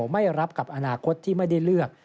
ไม่รับกับอนาคตที่ไม่ได้เลือก